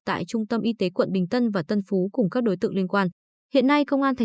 tại trung tâm y tế quận bình tân và tân phú cùng các đối tượng liên quan